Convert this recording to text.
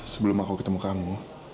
sebelum aku ketemu kamu